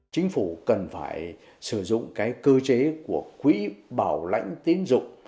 chính phủ cần phải sử dụng cơ chế của quỹ bảo lãnh tiến dụng